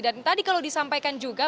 dan tadi kalau disampaikan juga